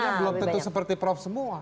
artinya belum tentu seperti prof semua